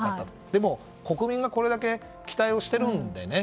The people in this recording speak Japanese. でも、国民がこれだけ期待をしているんでね。